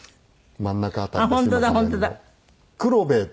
真ん中辺りです